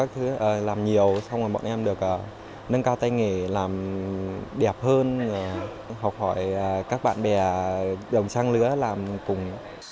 xong rồi bọn em được nâng cao tay nghề làm đẹp hơn học hỏi các bạn bè đồng trang lửa làm cùng